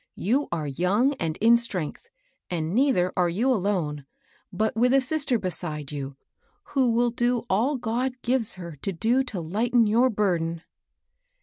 You are young and in strength ; and neither are you alone, but with a sister beside you, who will do all God gives her to do to Ughten your burden."